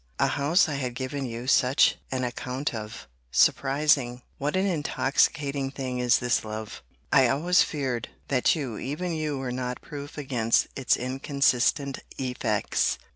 —A house I had given you such an account of!—Surprising!——What an intoxicating thing is this love?—I always feared, that you, even you, were not proof against its inconsistent effects.